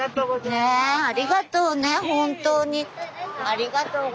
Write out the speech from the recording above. ねえありがとうね本当に。